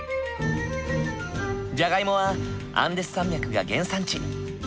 じゃがいもはアンデス山脈が原産地。